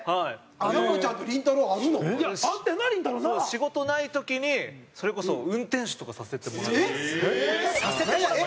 仕事ない時にそれこそ運転手とかさせてもらって。